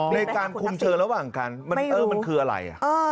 ในการคุมเชิงระหว่างกันมันคืออะไร